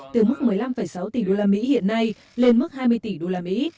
từ mức một mươi năm sáu tỷ đô la mỹ hiện nay lên mức hai mươi tỷ đô la mỹ